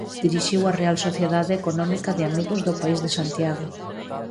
Dirixiu a Real Sociedade Económica de Amigos do País de Santiago.